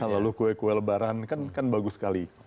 lalu kue kue lebaran kan bagus sekali